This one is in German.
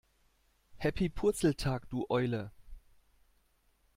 Happy Purzeltag, du Eule!